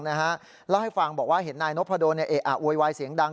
แล้วให้ฟังบอกว่าเห็นนายนพระโดนอวยวายเสียงดัง